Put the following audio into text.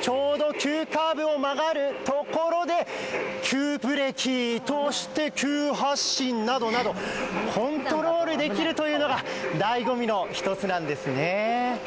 ちょうど急カーブを曲がるところで急ブレーキ、そして急発進などなどコントロールできるというのがだいご味の１つなんですね。